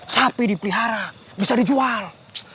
sapi dipelihara bisa dijual